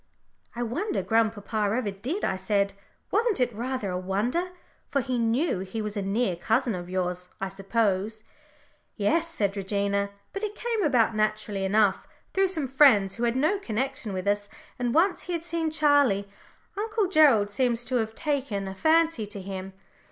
"I wonder grandpapa ever did," I said. "Wasn't it rather a wonder? For he knew he was a near cousin of yours, I suppose?" "Yes," said Regina, "but it came about naturally enough, through some friends who had no connection with us. And once he had seen Charlie, Uncle Gerald seems to have taken a fancy to him.